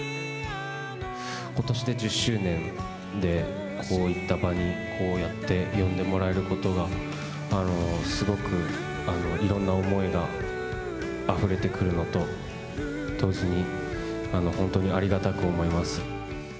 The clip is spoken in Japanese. ことしで１０周年で、こういった場に、こうやって呼んでもらえることが、すごくいろんな思いがあふれてくるのと同時に、本当にありがたく思います。